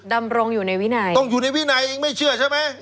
ดำรงอยู่ในวินัยต้องอยู่ในวินัยเองไม่เชื่อใช่ไหม